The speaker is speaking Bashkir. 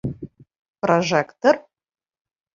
Прожектор?